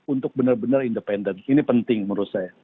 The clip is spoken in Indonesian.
untuk benar benar independen ini penting menurut saya